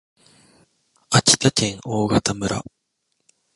秋田県大潟村